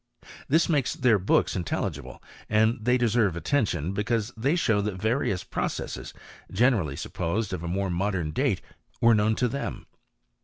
This makes their books intelligible, and they deserve attention because they show that various processes, generally supposed of a more modem date were known to them.